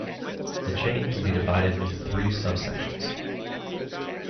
The chain can be divided into three subsections.